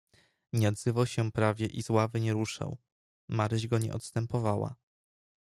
"Nie odzywał się prawie i z ławy nie ruszał, Maryś go nie odstępowała."